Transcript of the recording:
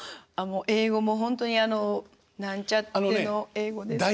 英語もあのなんちゃっての英語です。